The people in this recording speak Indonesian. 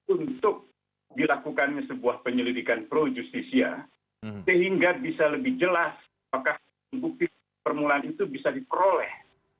untuk dilakukan sebuah penyelidikan pro justisia sehingga bisa lebih jelas apakah bukti permulaan itu bisa diperoleh